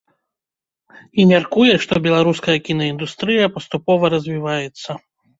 І мяркуе, што беларуская кінаіндустрыя паступова развіваецца.